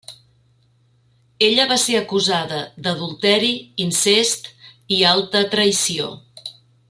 Ella va ser acusada d'adulteri, incest i alta traïció.